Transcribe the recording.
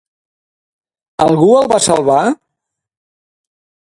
Algú el va salvar?